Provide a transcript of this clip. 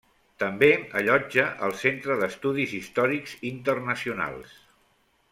També allotja el Centre d'Estudis Històrics Internacionals.